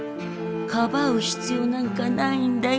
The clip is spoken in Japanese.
かばう必要なんかないんだよ。